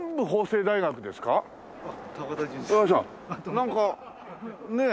なんかねえ。